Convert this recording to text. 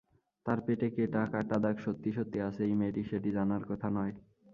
তার পেটে কেটা কাটা দাগ সত্যি-সত্যি আছে, এই মেয়েটির সেটি জানার কথা নয়।